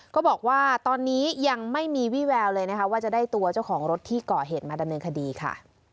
ก็บอกว่าตอนนี้ยังไม่มีวิแววเลยนะคะว่าจะได้ตัวเจ้าของรถที่ก่อเหตุมาดำเนินคดีค่ะ